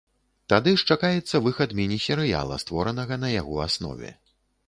Тады ж чакаецца выхад міні-серыяла, створанага на яго аснове.